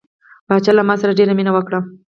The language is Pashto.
پاچا له ما سره ډیره مینه وکړه.